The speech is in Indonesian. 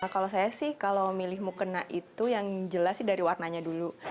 kalau saya sih kalau milih mukena itu yang jelas sih dari warnanya dulu